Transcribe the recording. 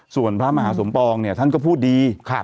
ส่วนพระมหาสมปองเนี่ยท่านก็พูดดี